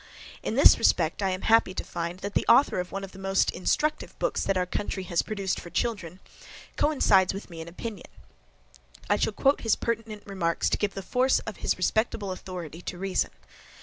In this respect, I am happy to find, that the author of one of the most instructive books, that our country has produced for children, coincides with me in opinion; I shall quote his pertinent remarks to give the force of his respectable authority to reason.